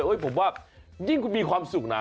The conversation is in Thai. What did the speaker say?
ผมว่ายิ่งคุณมีความสุขนะ